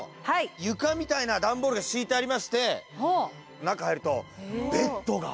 床みたいな段ボールが敷いてありまして中入るとベッドが。